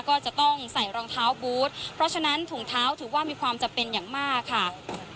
ก็จะต้องใส่รองเท้าบูธเพราะฉะนั้นถุงเท้าถือว่ามีความจำเป็นอย่างมากค่ะ